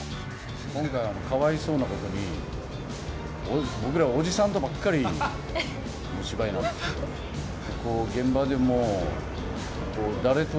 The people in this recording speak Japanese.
今回、かわいそうなことに、僕ら、おじさんとばっかりの芝居なんですよ。